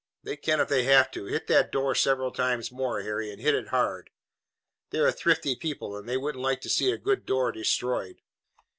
"They can if they have to. Hit that door several times more, Harry, and hit it hard. They're a thrifty people, and they wouldn't like to see a good door destroyed."